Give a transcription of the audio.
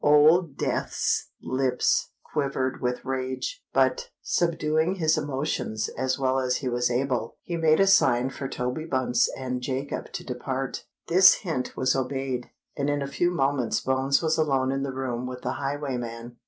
Old Death's lips quivered with rage; but, subduing his emotions as well as he was able, he made a sign for Toby Bunce and Jacob to depart. This hint was obeyed; and in a few moments Bones was alone in the room with the highwayman.